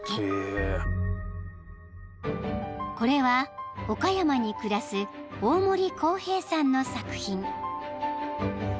［これは岡山に暮らす大森浩平さんの作品］